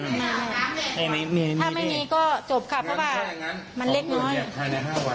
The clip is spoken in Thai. ถ้าไม่มีก็จบค่ะเพราะว่ามันเล็กน้อย